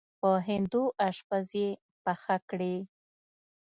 په هندو اشپز یې پخه کړې.